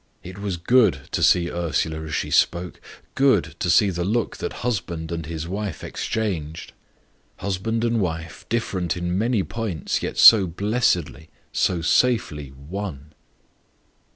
It was good to see Ursula as she spoke; good to see the look that husband and his wife interchanged husband and wife, different in many points, yet so blessedly, so safely ONE!